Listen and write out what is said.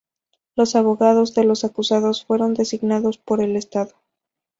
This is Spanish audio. Los abogados de los acusados fueron designados por el Estado.